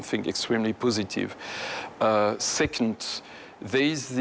คือการร่วมในประสุนที่